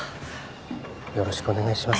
よろしくお願いします。